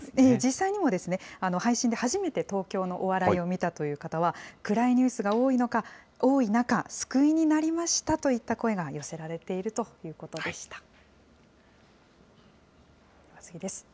実際にも、配信で初めて東京のお笑いを見たという方は、暗いニュースが多い中、救いになりましたといった声が寄せられているということでした。